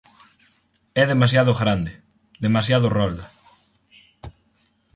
É demasiado grande, demasiado rolda.